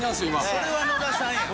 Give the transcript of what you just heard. それは野田さんや。